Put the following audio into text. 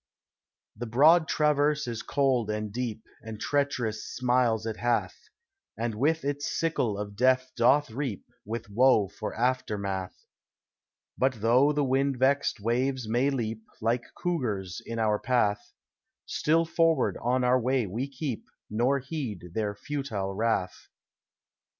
The broad traverse is cold and deep, And treacherous smiles it hath, And with its sickle of death doth reap, With woe for aftermath; But though the wind vext waves may leap, Like cougars, in our path, Still forward on our way we keep, Nor heed their futile wrath.